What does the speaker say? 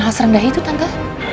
hal serendah itu tante